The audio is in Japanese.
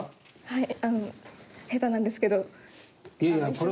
はい。